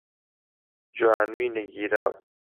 جوانووی نەگیراو